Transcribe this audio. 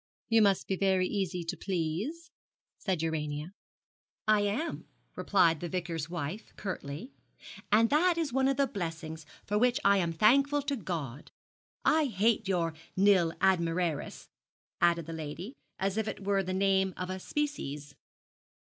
'You must be very easy to please,' said Urania. 'I am,' replied the Vicar's wife, curtly, 'and that is one of the blessings for which I am thankful to God. I hate your nil admiraris,' added the lady, as if it were the name of a species.